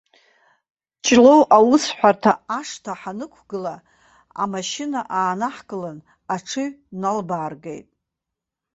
Ҷлоу аусҳәарҭа ашҭа ҳаннықәгыла, амашьына аанаҳкылан, аҽыҩ налбааргеит.